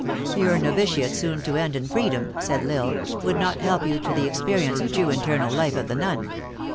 "Your novitiate, soon to end in freedom," said L Isle, " would not help you to the experience of the true internal life of the nun.